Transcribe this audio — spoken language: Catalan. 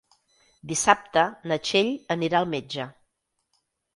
Dissabte na Txell anirà al metge.